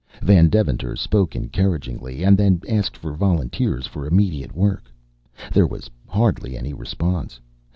Van Deventer spoke encouragingly, and then asked for volunteers for immediate work. There was hardly any response.